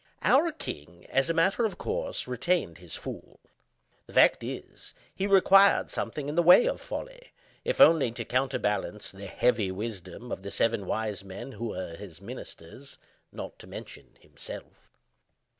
Our king, as a matter of course, retained his "fool." The fact is, he required something in the way of folly—if only to counterbalance the heavy wisdom of the seven wise men who were his ministers—not to mention himself.